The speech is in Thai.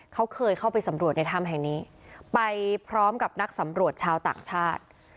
เขาเคยเข้าไปสำรวจในถ้ำแห่งนี้ไปพร้อมกับนักสำรวจชาวต่างชาติ